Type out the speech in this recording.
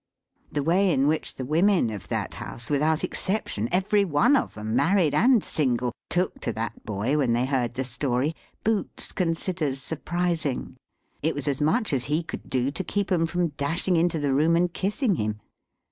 The way in which the women of that house without exception every one of 'em married and single took to that boy when they heard the story, Boots considers surprising. It was as much as he could do to keep 'em from dashing into the room and kissing him.